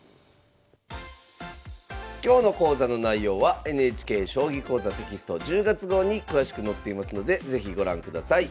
今日の講座の内容はＮＨＫ「将棋講座」テキスト１０月号に詳しく載っていますので是非ご覧ください。